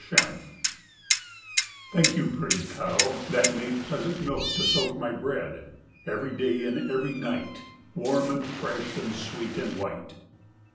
THE COW Thank you, pretty cow, that made Pleasant milk to soak my bread, Every day, and every night, Warm, and fresh, and sweet, and white.